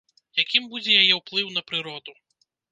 Якім будзе яе ўплыў на прыроду?